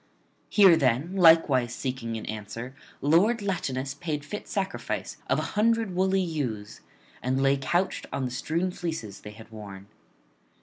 Here then, likewise seeking an answer, lord Latinus paid fit sacrifice of an hundred woolly ewes, and [94 127]lay couched on the strewn fleeces they had worn.